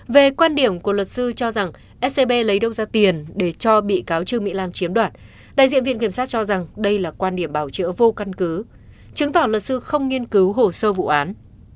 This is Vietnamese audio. về quan điểm của luật sư cho rằng scb lấy đâu ra tiền để cho bị cáo trương mỹ lan chiếm đoạt đại diện viện kiểm sát cho rằng đây là quan điểm bảo chữa vô căn cứ chứng tỏ luật sư không nghiên cứu hồ sơ vụ án